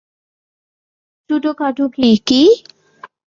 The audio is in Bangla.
ছোটখাটো কি, কি?